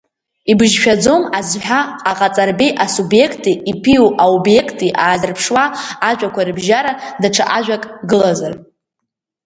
Ибыжьшәаӡом азҳәа аҟаҵарбеи асубиекти иԥиоу аобиекти аазырԥшуа ажәақәа рыбжьара даҽа ажәак гылазар…